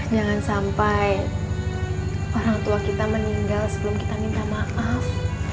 jangan sampai orang tua kita meninggal sebelum kita minta maaf